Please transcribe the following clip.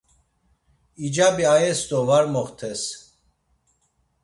İcabi ayes do var moxtes.